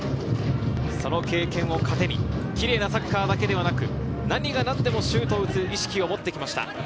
その経験をかてに、キレイなサッカーだけではなく、何が何でもシュートを打つ意識を持ってきました。